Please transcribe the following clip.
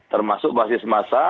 termasuk basis masa